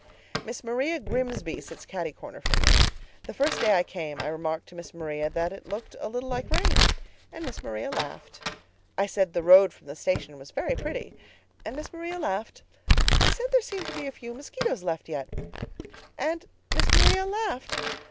"Miss Maria Grimsby sits cati corner from me. The first day I came I remarked to Miss Maria that it looked a little like rain—and Miss Maria laughed. I said the road from the station was very pretty—and Miss Maria laughed. I said there seemed to be a few mosquitoes left yet—and Miss Maria laughed.